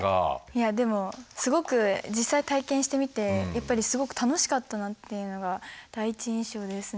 いやでも実際体験してみてやっぱりすごく楽しかったなっていうのが第一印象ですね。